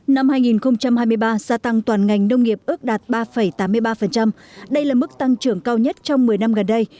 năm hai nghìn hai mươi ba gia tăng toàn ngành nông nghiệp ước đạt ba tám mươi ba đây là mức tăng trưởng cao nhất trong một mươi năm gần đây